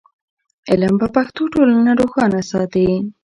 علم په پښتو ټولنه روښانه ساتي.